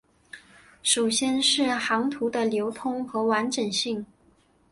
首先是航图的流通和完整性。